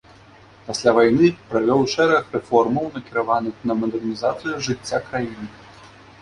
Пасля вайны правёў шэраг рэформаў, накіраваных на мадэрнізацыю жыцця краіны.